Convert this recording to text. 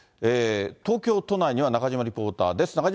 東京都内には中島リポーターです。